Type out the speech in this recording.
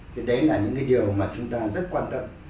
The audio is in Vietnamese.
thì đấy là những cái điều mà chúng ta rất quan tâm